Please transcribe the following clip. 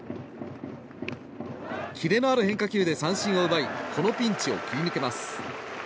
キレのある変化球で三振を奪いこのピンチを切り抜けます。